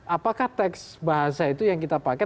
apakah teks bahasa itu yang kita pakai